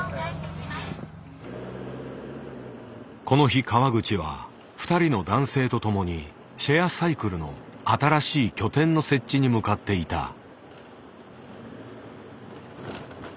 この日川口は２人の男性と共にシェアサイクルの新しい拠点の設置に向かっていた。